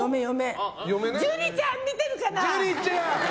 樹里ちゃん見てるかな？